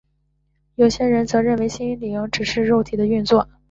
有些人则认为心灵只是肉体的运作。